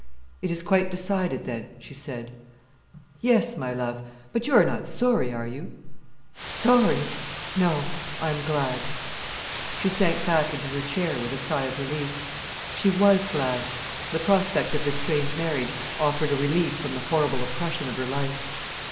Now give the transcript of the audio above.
"It is quite decided, then?" she said. "Yes, my love. But you are not sorry, are you?" "Sorry! No; I am glad." She sank back into her chair with a sigh of relief. She was glad. The prospect of this strange marriage offered a relief from the horrible oppression of her life.